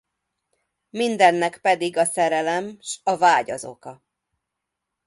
Mindennek pedig a szerelem s a vágy az oka.